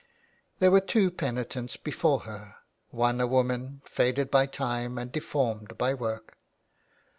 There were two penitents before her. One a woman, faded by time and deformed by work.